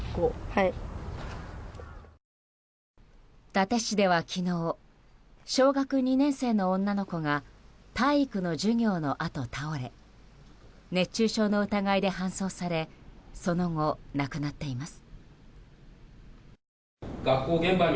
伊達市では昨日小学２年生の女の子が体育の授業のあと倒れ熱中症の疑いで搬送されその後、亡くなっています。